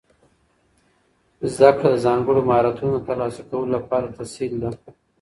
زده کړه د ځانګړو مهارتونو د ترلاسه کولو لپاره تسهیل ده.